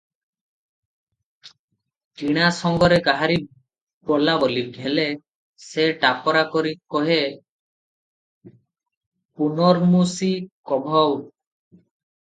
କିଣା ସଙ୍ଗରେ କାହାରି ବୋଲା ବୋଲି ହେଲେ, ସେ ଟାପରା କରି କହେ:- "ପୁନର୍ମୂଷିକୋଭବ ।"